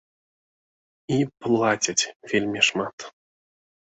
І плацяць вельмі шмат.